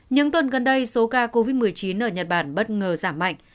những tuần gần đây số ca covid một mươi chín ở nhật bản bất ngờ giảm mạnh